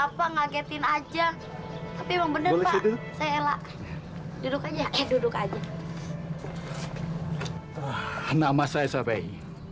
ya eh bapak ngagetin aja tapi emang bener bener saya ella duduk aja duduk aja nama saya sampai